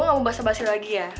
gue gak mau bahasa bahasa lagi ya